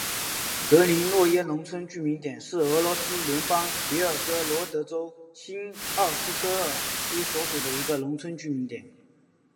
格林诺耶农村居民点是俄罗斯联邦别尔哥罗德州新奥斯科尔区所属的一个农村居民点。